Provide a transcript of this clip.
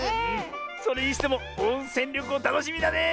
それにしてもおんせんりょこうたのしみだねえ。